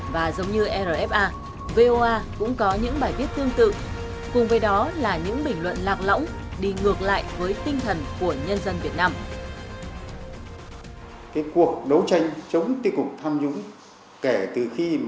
và giống như rfa voa cũng có những bài viết tương tự